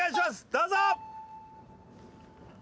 どうぞ！